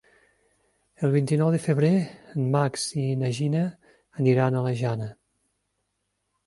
El vint-i-nou de febrer en Max i na Gina aniran a la Jana.